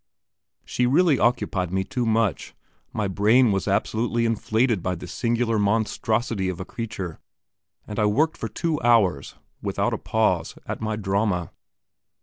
She really occupied me too much, my brain was absolutely inflated by this singular monstrosity of a creature, and I worked for two hours, without a pause, at my drama.